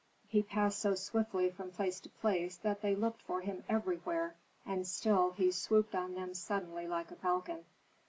He passed so swiftly from place to place that they looked for him everywhere, and still he swooped on them suddenly like a falcon.